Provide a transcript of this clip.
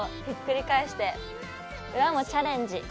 ひっくり返して裏もチャレンジ。